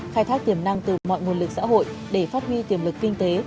khai thác tiềm năng từ mọi nguồn lực xã hội để phát huy tiềm lực kinh tế